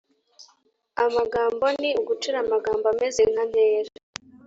amagambo ni ugucura amagambo ameze nka ntera